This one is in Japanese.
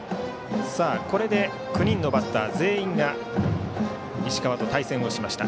これで９人のバッター全員石川と対戦しました。